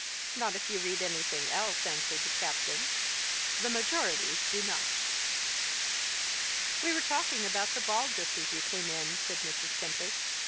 "Not if you read anything else," answered the captain. "The majority do not." "We were talking about the ball just as you came in," said Mrs. Tempest.